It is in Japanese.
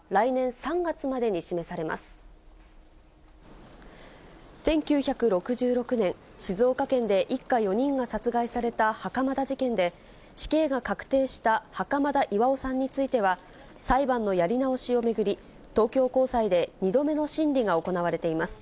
１９６６年、静岡県で一家４人が殺害された袴田事件で、死刑が確定した袴田巌さんについては、裁判のやり直しを巡り、東京高裁で２度目の審理が行われています。